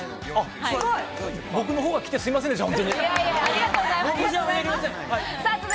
僕の方が来て、すいませんでした。